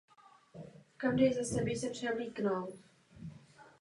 Jaká je vaše představa lidství?